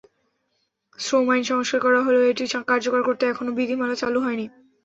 শ্রম আইন সংস্কার করা হলেও এটি কার্যকর করতে এখনো বিধিমালা চালু হয়নি।